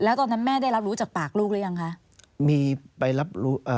แล้วตอนนั้นแม่ได้รับรู้จากปากลูกหรือยังคะมีไปรับรู้เอ่อ